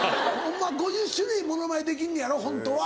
５０種類モノマネできんのやろホントは。